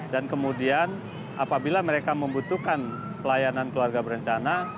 dan kemudian apabila mereka membutuhkan pelayanan keluarga berencana